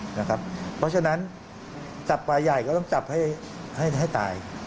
เพราะฉะนั้นจับปลาใหญ่ก็ต้องจับให้ตาย